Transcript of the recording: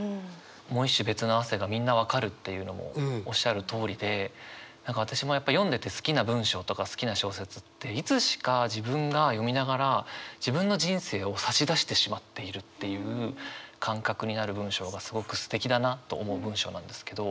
「もう一種べつの汗」がみんな分かるっていうのもおっしゃるとおりで何か私もやっぱり読んでて好きな文章とか好きな小説っていつしか自分が読みながら自分の人生を差し出してしまっているっていう感覚になる文章がすごくすてきだなと思う文章なんですけど。